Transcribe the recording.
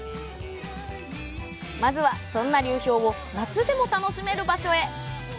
まずは、そんな流氷を夏でも楽しめる場所へ！